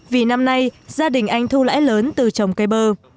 vì năm nay gia đình anh thu lãi lớn từ trồng cây bơ